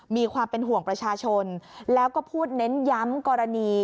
มีความเป็นห่วงประชาชนแล้วก็พูดเน้นย้ำกรณี